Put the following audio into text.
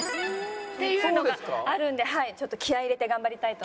っていうのがあるんで気合入れて頑張りたいと思います。